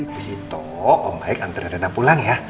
bis itu om baik antre rena pulang ya